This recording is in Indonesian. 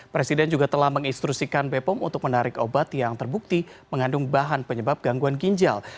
presiden juga telah menginstrusikan bepom untuk menarik obat yang terbukti mengandung bahan penyebab gangguan ginjal